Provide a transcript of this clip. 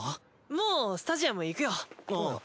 もうスタジアム行くよ。